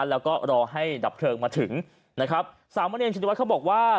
แล้วก็รอให้ดับเพลิงมาถึงนะครับสามเณรชินวัฒนเขาบอกว่า